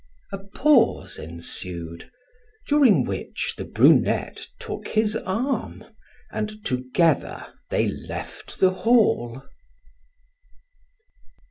A pause ensued, during which the brunette took his arm and together they left the hall.